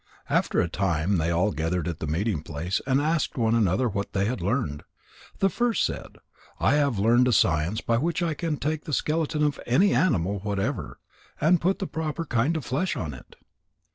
After a time they all gathered at the meeting place, and asked one another what they had learned. The first said: "I have learned a science by which I can take the skeleton of any animal whatever and put the proper kind of flesh on it."